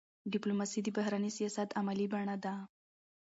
ډيپلوماسي د بهرني سیاست عملي بڼه ده.